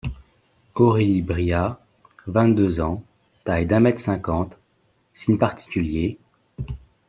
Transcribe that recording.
Aurélie Briat, — vingt-deux ans, — taille d'un mètre cinquante ; signes particuliers …